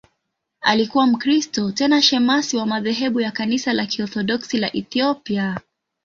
Alikuwa Mkristo, tena shemasi wa madhehebu ya Kanisa la Kiorthodoksi la Ethiopia.